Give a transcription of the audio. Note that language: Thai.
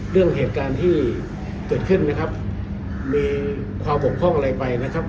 เรื่องเหตุการณ์ที่เกิดขึ้นนะครับมีความบกพร่องอะไรไปนะครับ